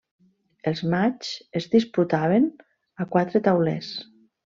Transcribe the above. Els matxs es disputaven a quatre taulers.